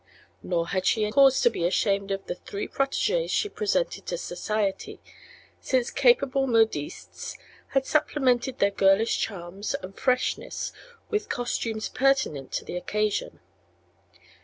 Nor had she cause to be ashamed of the three protégées she presented to society, since capable modistes had supplemented their girlish charms and freshness with costumes pertinent to the occasion.